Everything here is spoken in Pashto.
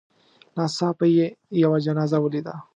ناڅاپه یې یوه جنازه ولیده.